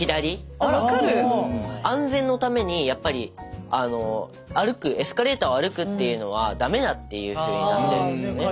安全のためにやっぱり歩くエスカレーターを歩くっていうのは駄目だっていうふうになってるんですよね。